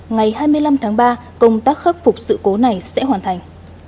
ngày hai mươi năm tháng ba công tác khắc phục sự cố này sẽ hoàn thành